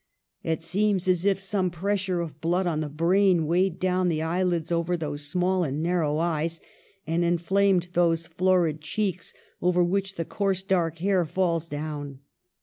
It seems as if some pressure of blood on the brain weighed down the eyelids over those small and narrow eyes, and inflamed those florid cheeks, over which the coarse dark hair falls down.